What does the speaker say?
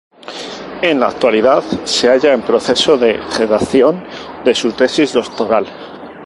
En la actualidad se halla en el proceso de redacción de su Tesis Doctoral.